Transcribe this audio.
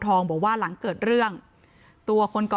ภรรยาก็บอกว่านายเทวีอ้างว่านายทองม่วนขโมย